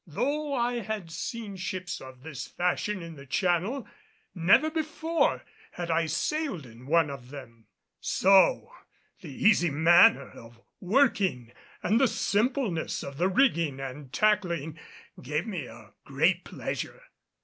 Though I had seen ships of this fashion in the Channel, never before had I sailed in one of them; so the easy manner of working and the simpleness of the rigging and tackling gave me a great pleasure.